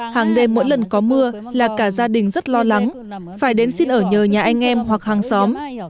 hàng đêm mỗi lần có mưa là cả gia đình rất lo lắng phải đến xin ở nhờ nhà anh em hoặc hàng xóm